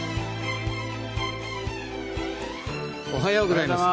おはようございます。